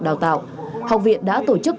đào tạo học viện đã tổ chức